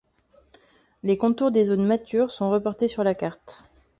Les contours des zones matures sont reportés sur la carte.